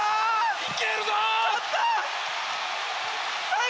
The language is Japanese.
行けるぞ！